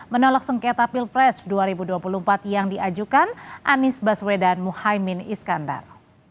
menolak sengketa pilpres dua ribu dua puluh empat yang diajukan anies baswedan muhaymin iskandar